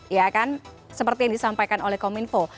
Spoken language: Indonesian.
ya kan seperti yang disampaikan oleh kominfo